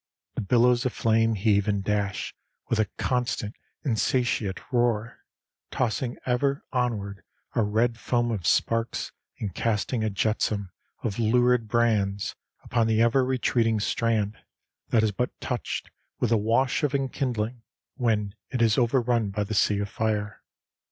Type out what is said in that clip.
The billows of flame heave and dash with a constant insatiate roar, tossing ever onward a red foam of sparks and casting a jetsam of lurid brands upon the ever retreating strand that is but touched with the wash of enkindling, when it is overrun by the sea of fire.